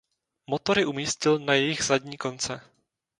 Motory umístil na jejich zadní konce.